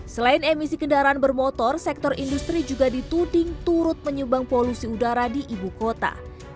selain emisi kendaraan bermotor sektor industri juga dituding turut menyumbang polusi udara di ibu kota